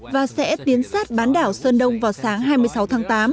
và sẽ tiến sát bán đảo sơn đông vào sáng hai mươi sáu tháng tám